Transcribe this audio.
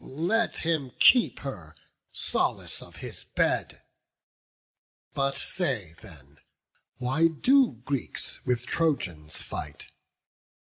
let him keep her, solace of his bed! But say then, why do Greeks with Trojans fight?